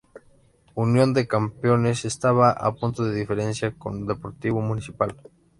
Unión de Campeones estaba a un punto de diferencia con Deportivo Municipal.